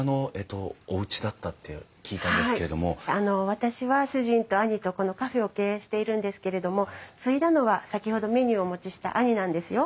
私は主人と兄とこのカフェを経営しているんですけれども継いだのは先ほどメニューをお持ちした兄なんですよ。